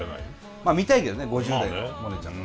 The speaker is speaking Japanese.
まあ見たいけどね５０代のモネちゃんも。